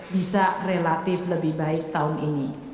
bisa relatif lebih baik tahun ini